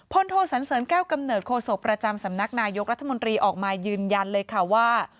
โทสันเสริญแก้วกำเนิดโคศกประจำสำนักนายกรัฐมนตรีออกมายืนยันเลยค่ะว่า